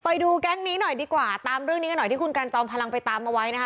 ไปดูแก๊งนี้หน่อยดีกว่าตามเรื่องนี้กันหน่อยที่คุณกันจอมพลังไปตามเอาไว้นะคะ